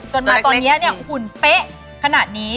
จนมาตอนนี้เนี่ยหุ่นเป๊ะขนาดนี้